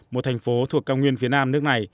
một thành phố thuộc cao nguyên liệu